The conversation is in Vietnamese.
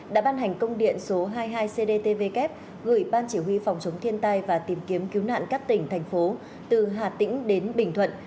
đã ban hành công điện số hai mươi hai cdtvk gửi ban chỉ huy phòng chống thiên tai và tìm kiếm cứu nạn các tỉnh thành phố từ hà tĩnh đến bình thuận